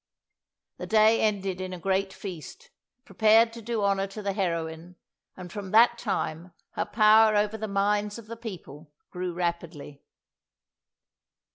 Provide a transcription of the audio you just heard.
The day ended in a great feast, prepared to do honour to the heroine, and from that time her power over the minds of the people grew rapidly."